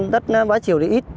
đất bãi chiều thì ít